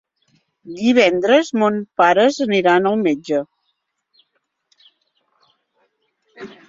Divendres mons pares aniran al metge.